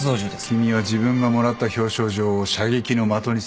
君は自分がもらった表彰状を射撃の的にするのか？